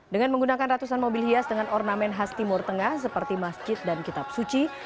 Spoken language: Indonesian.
dengan menggunakan ratusan mobil hias dengan ornamen khas timur tengah seperti masjid dan kitab suci